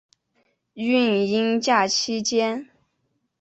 育婴假期间